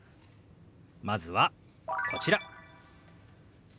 まずはこちら。